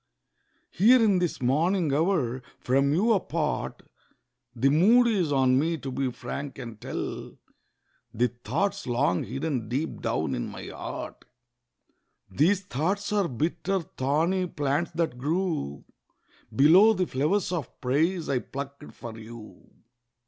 Here in this morning hour, from you apart, The mood is on me to be frank and tell The thoughts long hidden deep down in my heart. These thoughts are bitter—thorny plants, that grew Below the flowers of praise I plucked for you.